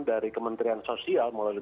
dari kementerian sosial melalui